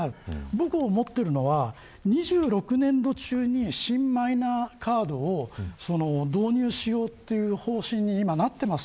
僕が思っているのは２６年度中に新マイナンバーカードを導入しようという方針に今、なっています。